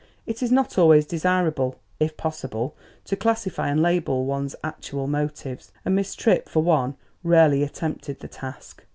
It is not always desirable, if possible, to classify and label one's actual motives, and Miss Tripp, for one, rarely attempted the task.